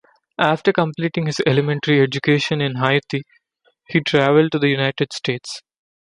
After completing his elementary education in Haiti, he traveled to the United States.